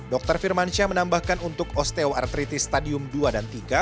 dr firmansyah menambahkan untuk osteoartritis stadium dua dan tiga